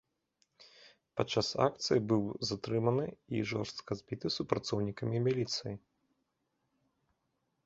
Падчас акцыі быў затрыманы і жорстка збіты супрацоўнікамі міліцыі.